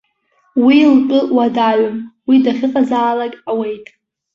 Уи лтәы уадаҩым, уи дахьыҟазаалак ауеит.